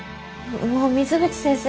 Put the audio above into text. もう水口先生